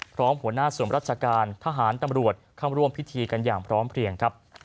หัวหน้าส่วนราชการทหารตำรวจเข้าร่วมพิธีกันอย่างพร้อมเพลียงครับ